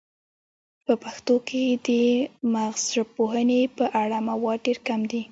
په پښتو کې د مغزژبپوهنې په اړه مواد ډیر کم دي